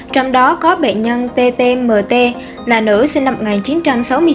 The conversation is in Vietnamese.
trong đó có bệnh nhân t t m t là nữ sinh năm một nghìn chín trăm sáu mươi chín